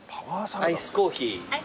アイスコーヒー。